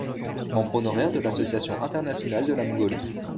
Membre honoraire de l'Association internationale de la Mongolie.